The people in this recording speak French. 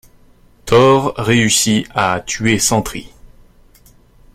Thor réussit à tuer Sentry.